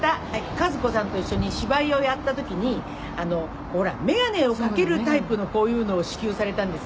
「かず子さんと一緒に芝居をやった時にほら眼鏡をかけるタイプのこういうのを支給されたんです」